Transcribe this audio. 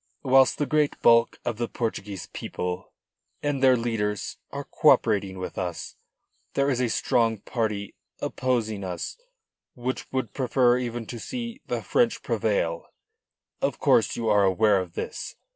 Whilst the great bulk of the Portuguese people and their leaders are loyally co operating with us, there is a strong party opposing us which would prefer even to see the French prevail. Of course you are aware of this.